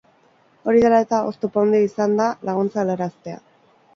Hori dela eta, oztopo handia izan da laguntza helaraztea.